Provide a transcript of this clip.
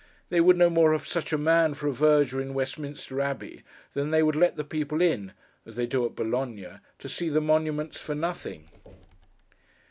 They would no more have such a man for a Verger in Westminster Abbey, than they would let the people in (as they do at Bologna) to see the monuments for nothing.